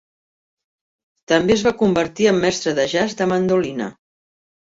També es va convertir en mestre de jazz de mandolina.